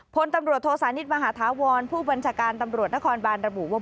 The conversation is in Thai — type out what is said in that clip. พลตำรวจโทษานิทมหาธาวรผู้บัญชาการตำรวจนครบานระบุว่า